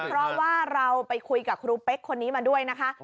เพราะว่าเราไปคุยกับครูเป๊กคนนี้มาด้วยนะคะ